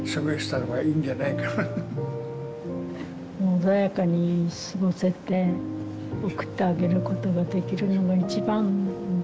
穏やかに過ごせて送ってあげることができるのが一番だと。